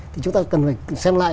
thì chúng ta cần phải xem lại